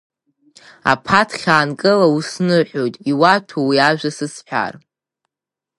Аԥаҭхь аанкыла усныҳәоит, иуаҭәоу уи ажәа сызҳәар.